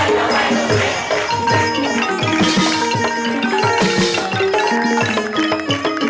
น้องปีนต่อไป